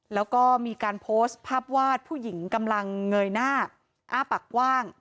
แล้วก็มีการโพสต์ภาพวาดผู้หญิงกำลังเงยหน้าอ้าปากกว้าง